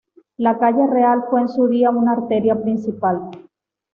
La calle real fue en su día una arteria principal.